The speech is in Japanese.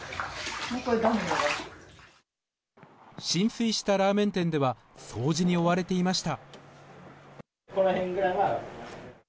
浸水したラーメン店では掃除に追われていました。